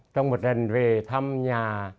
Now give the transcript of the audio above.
trong một lần về thăm nhà